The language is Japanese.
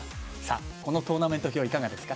このトーナメント表いかがですか？